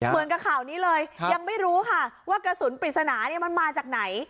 เหมือนกับข่าวนี้เลยยังไม่รู้ค่ะว่ากระสุนปริศนามันมาจากไหน